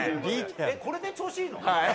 これで調子いいの？